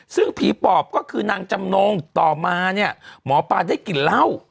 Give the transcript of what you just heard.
ซึ่งผีปอบก็คือนางจำนงต่อมาเนี่ยหมอปลาได้กลิ่นเหล้า